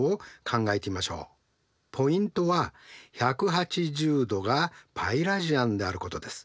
ポイントは１８０°がπラジアンであることです。